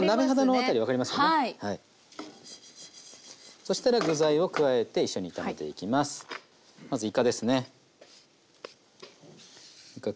そしたら具材を加えて一緒に炒めていきます。